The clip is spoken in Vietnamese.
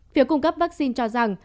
phía cung cấp vaccine cho rằng